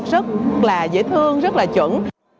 rất là dễ thương rất là chuẩn